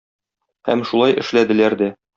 Һәм шулай эшләделәр дә.